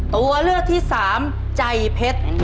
ตัวเลือกที่สามใจเพชร